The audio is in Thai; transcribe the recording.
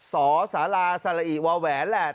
สอสาราสละอิวาแหวนแหละ